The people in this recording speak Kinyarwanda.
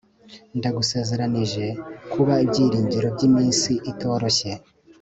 ndagusezeranije kuba ibyiringiro byiminsi itoroshye